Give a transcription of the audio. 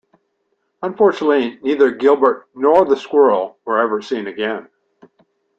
Unfortunately, neither Gilbert nor the "Squirrel" were ever seen again.